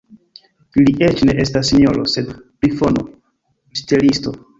Li eĉ ne estas sinjoro, sed fripono, ŝtelisto!